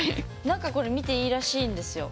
中これ見ていいらしいんですよ。